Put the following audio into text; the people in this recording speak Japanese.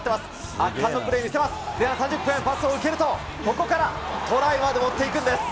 圧巻のプレー見せます、前半３０分、パスを受けると、ここからトライまで持っていくんです。